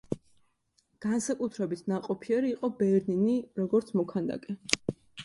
განსაკუთრებით ნაყოფიერი იყო ბერნინი, როგორც მოქანდაკე.